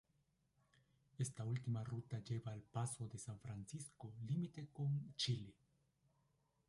Esta última ruta lleva al Paso de San Francisco límite con Chile.